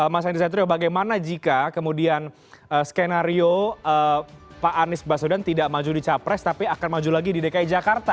mas henry satrio bagaimana jika kemudian skenario pak anies basudan tidak maju di capres tapi akan maju lagi di dki jakarta